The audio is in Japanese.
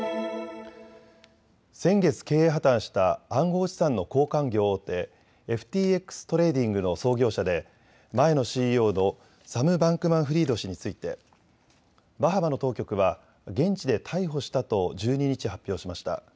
先月、経営破綻した暗号資産の交換業大手、ＦＴＸトレーディングの創業者で前のＣＥＯのサム・バンクマンフリード氏についてバハマの当局は現地で逮捕したと１２日、発表しました。